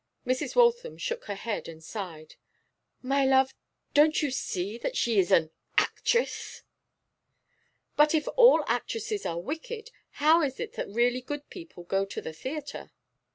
Mrs. Waltham shook her head and sighed. 'My love, don't you see that she is an actress?' 'But if all actresses are wicked, how is it that really good people go to the theatre?